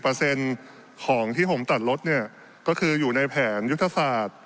เปอร์เซ็นต์ของที่ผมตัดลดเนี่ยก็คืออยู่ในแผนยุทธศาสตร์